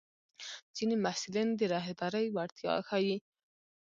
ځینې محصلین د رهبرۍ وړتیا ښيي.